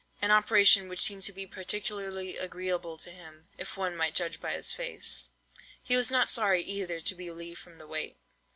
an operation which seemed to be particularly agreeable to him, if one might judge by his face. He was not sorry either to be relieved from the weight.